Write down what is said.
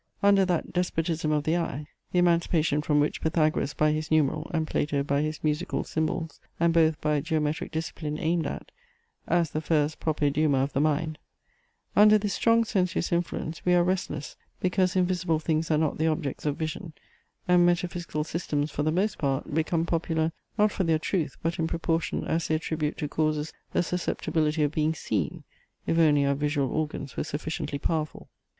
Under that despotism of the eye (the emancipation from which Pythagoras by his numeral, and Plato by his musical, symbols, and both by geometric discipline, aimed at, as the first propaideuma of the mind) under this strong sensuous influence, we are restless because invisible things are not the objects of vision; and metaphysical systems, for the most part, become popular, not for their truth, but in proportion as they attribute to causes a susceptibility of being seen, if only our visual organs were sufficiently powerful.